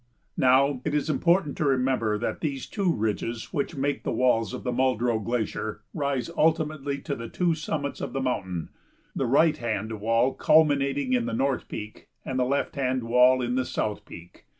Now, it is important to remember that these two ridges which make the walls of the Muldrow Glacier rise ultimately to the two summits of the mountain, the right hand wall culminating in the North Peak and the left hand wall in the South Peak.